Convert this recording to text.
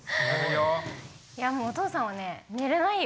いやもうお父さんはね寝れないよ。